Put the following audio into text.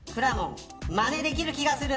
まねできる気がする。